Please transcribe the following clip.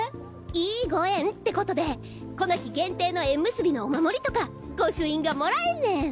「１５縁」ってことでこの日限定の縁結びのお守りとか御朱印がもらえんねん。